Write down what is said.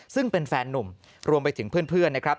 ซึ่งเป็นแฟนนุ่มรวมไปถึงเพื่อนนะครับ